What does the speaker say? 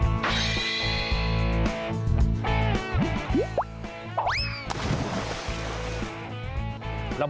พุกก็ได้ปลาด้วย